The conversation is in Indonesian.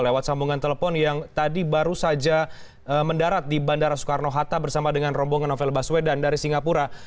lewat sambungan telepon yang tadi baru saja mendarat di bandara soekarno hatta bersama dengan rombongan novel baswedan dari singapura